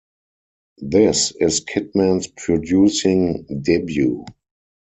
This is Kidman's producing debut.